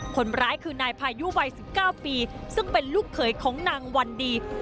คนร้ายคือนายพายุวัย๑๙ปีซึ่งเป็นลูกเขยของนางวันดี